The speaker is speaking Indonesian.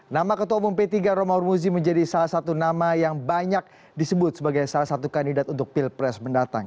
nama ketua umum p tiga romahur muzi menjadi salah satu nama yang banyak disebut sebagai salah satu kandidat untuk pilpres mendatang